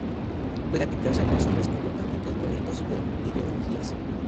Puede aplicarse a personas, comportamientos violentos o ideologías.